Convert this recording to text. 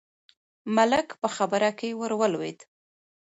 ملک په خبره کې ور ولوېد: